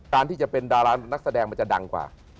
การที่จะเป็นดารานักแสดงมันจะดังกว่า